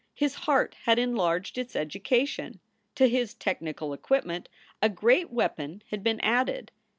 His heart had enlarged its education. To his techni cal equipment a great weapon had been added.